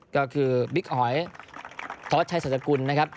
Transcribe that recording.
ก็คือบิ๊กหอยทศชัศกุลนะครับ